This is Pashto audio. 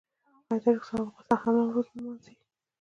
آیا تاجکستان او افغانستان هم نوروز نه لمانځي؟